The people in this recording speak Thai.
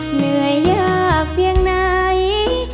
เหนื่อยยากเพียงไหน